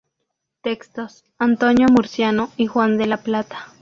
Textos: Antonio Murciano y Juan de la Plata.